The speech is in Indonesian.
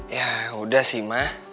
ya udah sih ma